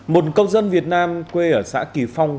một công dân việt nam quê ở xã kỳ phong